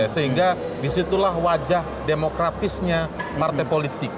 sehingga disitulah wajah demokratisnya partai politik